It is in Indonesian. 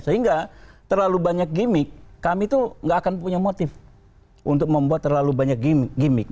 sehingga terlalu banyak gimmick kami tuh gak akan punya motif untuk membuat terlalu banyak gimmick